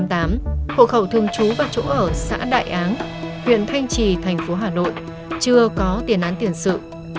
nguyễn văn ngọc sinh năm một nghìn chín trăm tám mươi tám hộ khẩu thường chú và chỗ ở xã đại áng huyện thanh trì thành phố hà nội chưa có tiền án tiền sự